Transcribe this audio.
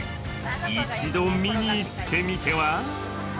一度、見に行ってみては？